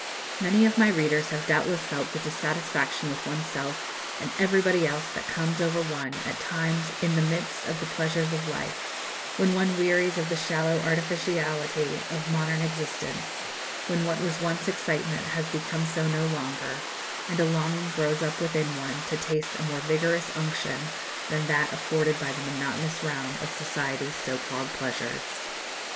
Many of my readers have doubtless felt the dissatisfaction with oneself and everybody else that comes over one at times in the midst of the pleasures of life; when one wearies of the shallow artificiality of modern existence; when what was once excitement has become so no longer, and a longing grows up within one to taste a more vigorous unction than that afforded by the monotonous round of society's so called pleasures."